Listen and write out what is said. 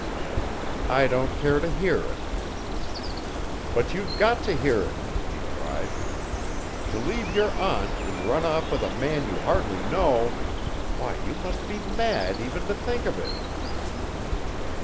"I don't care to hear it." "But you've got to hear it," he cried. "To leave your aunt and run off with a man you hardly know why you must be mad even to think of it."